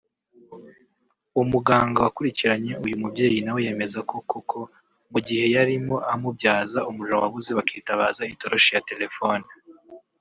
umuganga wakurikiranye uyu mubyeyi nawe yemeza ko koko mugihe yarimo amubyaza umuriro wabuze bakitabaza itoroshi ya telephone